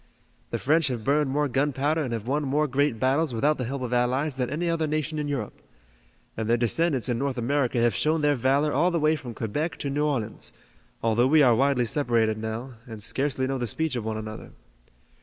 The French have burned more gunpowder and have won more great battles without the help of allies than any other nation in Europe. And their descendants in North America have shown their valor all the way from Quebec to New Orleans, although we are widely separated now, and scarcely know the speech of one another."